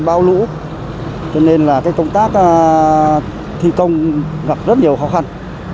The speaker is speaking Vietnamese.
do lũ cho nên là cái công tác thi công gặp rất nhiều khó khăn